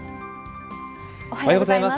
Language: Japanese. おはようございます。